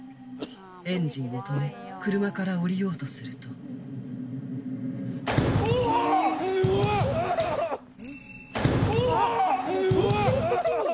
エンジンを止め、車から降りよううわー。